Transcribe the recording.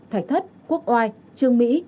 thạch thất quốc oai trương mỹ